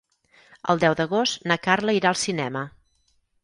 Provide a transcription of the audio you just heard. El deu d'agost na Carla irà al cinema.